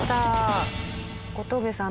小峠さん